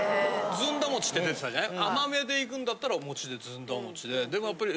ずんだ餅って出てたじゃない。